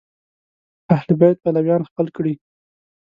اهل بیت پلویان خپل کړي